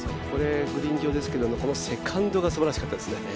これ、グリーン上ですけどセカンドがすばらしかったですね